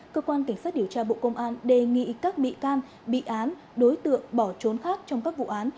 cơ quan cảnh sát điều tra bộ công an đề nghị các bị can bị án đối tượng bỏ trốn khác trong các vụ án